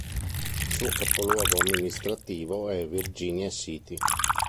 Il suo capoluogo amministrativo è Virginia City.